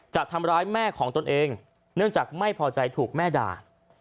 จะทำร้ายแม่ของตนเองเนื่องจากไม่พอใจถูกแม่ด่า